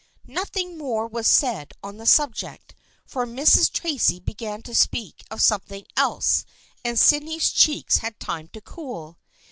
Nothing more was said on this subject, for Mrs. Tracy began to speak of something else and Sydney's cheeks had time to cool.